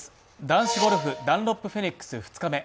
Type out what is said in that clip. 男子ゴルフダンロップフェニックス２日目。